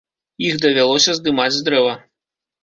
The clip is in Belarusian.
Іх давялося здымаць з дрэва.